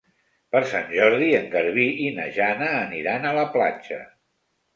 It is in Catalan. Per Sant Jordi en Garbí i na Jana aniran a la platja.